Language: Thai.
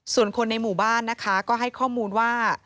ส่วนคนในหมู่บ้านนะคะก็ให้ข้อมูลว่า